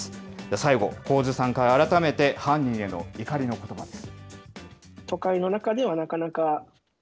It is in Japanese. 最後、高津さんから改めて犯人への怒りのことばです。